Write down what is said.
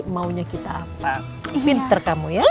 maunya kita apa pinter kamu ya